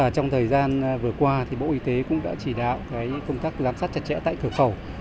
trong thời gian vừa qua bộ y tế cũng đã chỉ đạo công tác giám sát chặt chẽ tại cửa khẩu